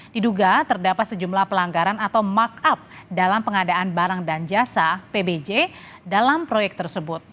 diduga terdapat sejumlah pelanggaran atau markup dalam pengadaan barang dan jasa pbj dalam proyek tersebut